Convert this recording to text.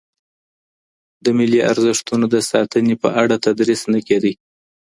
د ملي ارزښتونو د ساتنې په اړه تدریس نه کيده.